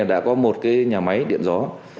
đã có một cái nhà máy điện gió